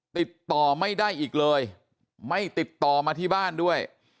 ติดต่อไม่ได้อีกเลยไม่ติดต่อมาที่บ้านด้วย